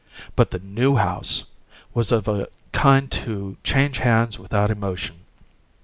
But the New House was of a kind to change hands without emotion.